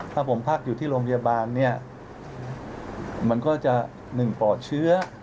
ถ้าผมพักอยู่ที่โรงพยาบาลเนี่ยมันก็จะ๑ปลอดเชื้อ